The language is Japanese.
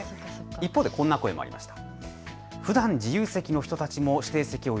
一方でこんな声もありました。